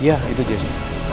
iya itu jessy